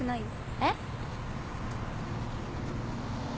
えっ？